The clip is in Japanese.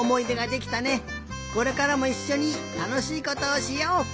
これからもいっしょにたのしいことをしよう！